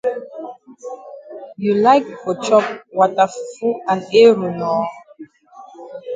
You like for chop wata fufu and eru nor?